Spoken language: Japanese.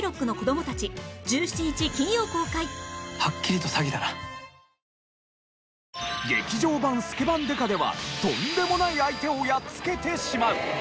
糖質ゼロ劇場版『スケバン刑事』ではとんでもない相手をやっつけてしまう。